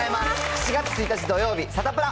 ７月１日土曜日、サタプラ。